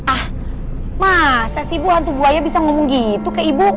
ah masa sih ibu hantu buaya bisa ngomong gitu ke ibu